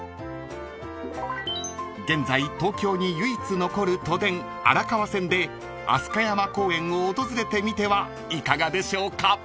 ［現在東京に唯一残る都電荒川線で飛鳥山公園を訪れてみてはいかがでしょうか？］